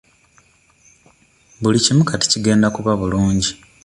Buli kimu kati kigenda kuba bulungi